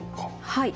はい。